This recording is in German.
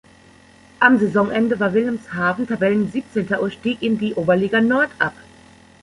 Am Saisonende war Wilhelmshaven Tabellen-Siebzehnter und stieg in die Oberliga Nord ab.